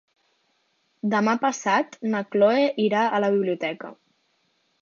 Demà passat na Cloè irà a la biblioteca.